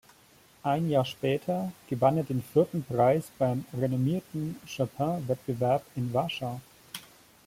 Ein Jahr später gewann er den vierten Preis beim renommierten Chopin-Wettbewerb in Warschau.